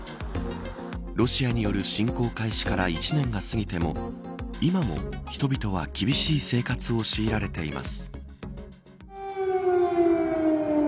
ロシアによる侵攻開始から１年が過ぎても今も人々は厳しい生活を強いられています。